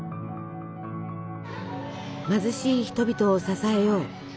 貧しい人々を支えよう。